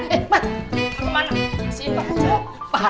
beberapa aku eu no mercode gak paham